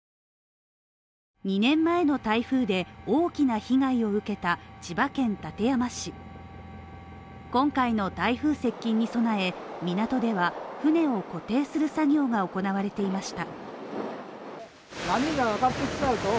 ２年前の台風で大きな被害を受けた千葉県館山市今回の台風接近に備え、港では船を固定する作業が行われていました。